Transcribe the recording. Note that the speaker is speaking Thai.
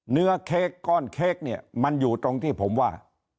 เค้กก้อนเค้กเนี่ยมันอยู่ตรงที่ผมว่า